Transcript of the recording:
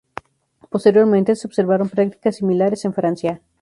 Posteriormente se observaron prácticas similares en Francia.